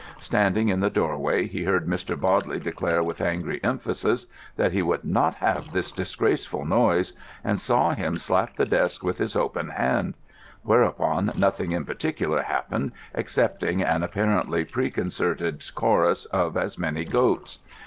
Standing in the doorway, he heard Mr. Bodley declare with angry emphasis that he "would not have this disgraceful noise," and saw him slap the desk with his open hand; whereupon nothing in particular happened excepting an apparently preconcerted chorus as of many goats.